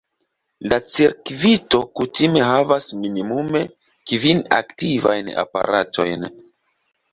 La cirkvito kutime havas minimume kvin aktivajn aparatojn.